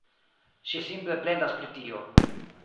Ŝi simple plendas pri tio.